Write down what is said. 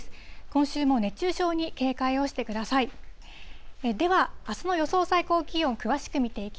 今週も熱中症に警戒をしてください。